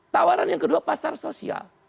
tawaran yang kedua pasar sosial